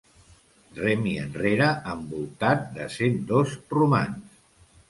Remi enrere envoltat de cent dos romans.